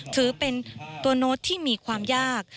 ถือเป็นตัวโน้ตที่มีความยาก